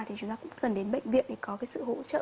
thì chúng ta cũng cần đến bệnh viện để có cái sự hỗ trợ